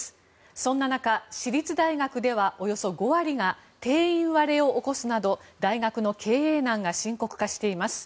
そんな中、私立大学ではおよそ５割が定員割れを起こすなど大学の経営難が深刻化しています。